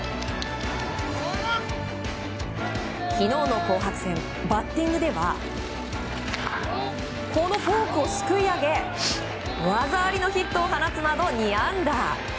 昨日の紅白戦、バッティングではこのフォークをすくい上げ技ありのヒットを放つなど２安打。